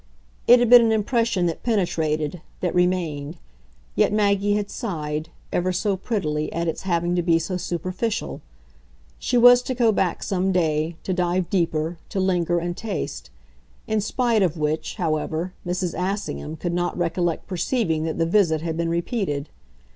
It had been an impression that penetrated, that remained; yet Maggie had sighed, ever so prettily, at its having to be so superficial. She was to go back some day, to dive deeper, to linger and taste; in spite of which, however, Mrs. Assingham could not recollect perceiving that the visit had been repeated.